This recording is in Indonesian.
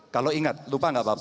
kalau ingat lupa nggak apa apa